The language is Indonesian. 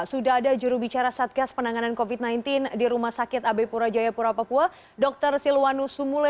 sudah ada jurubicara satgas penanganan covid sembilan belas di rumah sakit ab pura jayapura papua dr silwanus sumule